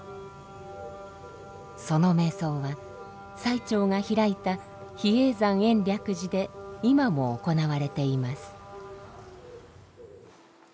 その瞑想は最澄が開いた比叡山延暦寺で今も行われています。